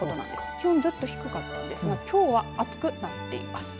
気温ずっと低かったんですがきょうは暑くなっています。